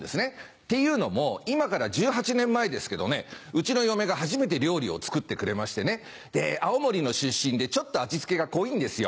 っていうのも今から１８年前ですけどねうちの嫁が初めて料理を作ってくれましてね青森の出身でちょっと味付けが濃いんですよ。